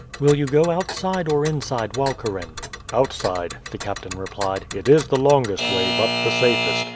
"Will you go outside or inside Walcheren?" "Outside," the captain replied. "It is the longest way, but the safest.